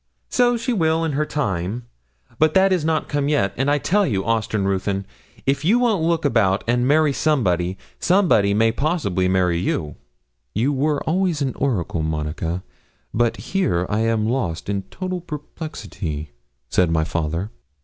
'So she will in her time, but that is not come yet; and I tell you, Austin Ruthyn, if you won't look about and marry somebody, somebody may possibly marry you.' 'You were always an oracle, Monica; but here I am lost in total perplexity,' said my father.